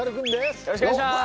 よろしくお願いします